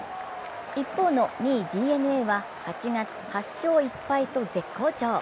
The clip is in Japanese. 一方の２位・ＤｅＮＡは８月８勝１敗と絶好調。